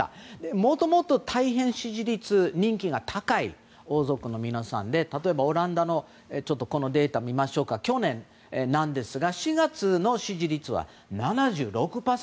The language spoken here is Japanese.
もともと、大変、支持率人気が高い王族の皆さんで例えばオランダのデータを見ると去年ですが４月の支持率は７６％。